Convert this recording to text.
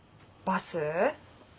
バス？